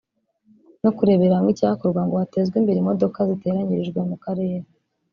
no kurebera hamwe icyakorwa ngo hatezwe imbere imodoka ziteranyirijwe mu karere